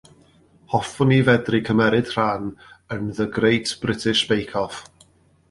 Hoffwn i fedru cymryd rhan yn The Great British Bake Off.